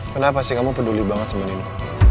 kenapa sih kamu peduli banget sama ini